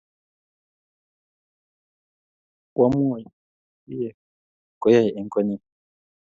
kwamwoi kiyee koyae eng konyi